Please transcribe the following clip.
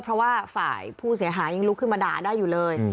เพราะว่าฝ่ายผู้เสียหายยังลุกขึ้นมาด่าได้อยู่เลย